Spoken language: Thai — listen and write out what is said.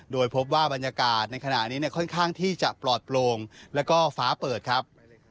โดยพบว่าบรรยากาศในขณะนี้ค่อนข้างที่จะปลอดโปร่งแล้วก็ฟ้าเปิดครับ